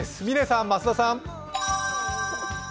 嶺さん、増田さん。